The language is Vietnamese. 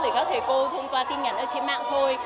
để các thầy cô thông qua tin nhắn ở trên mạng thôi